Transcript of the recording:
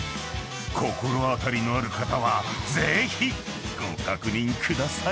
［心当たりのある方はぜひご確認ください］